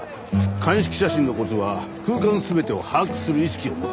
鑑識写真のコツは空間全てを把握する意識を持つ事だ。